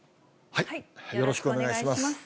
よろしくお願いします。